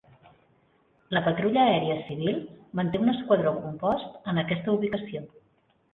La Patrulla Aèria Civil manté un esquadró compost en aquesta ubicació.